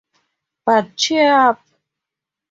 But cheer up!